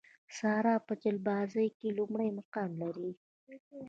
ساره په چلبازۍ کې لومړی مقام لري.